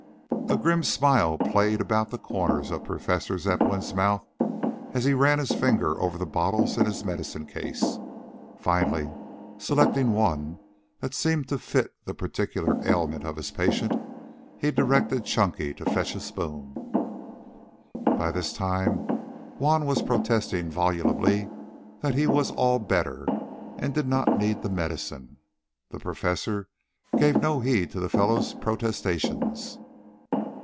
A grim smile played about the corners of Professor Zepplin's mouth as he ran his fingers over the bottles in his medicine case. Finally, selecting one that seemed to fit the particular ailment of his patient, he directed Chunky to fetch a spoon. By this time Juan was protesting volubly that he was "all better" and did not need the medicine. The Professor gave no heed to the fellow's protestations.